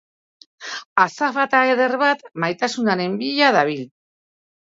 Azafata eder bat maitasunaren bila dabil.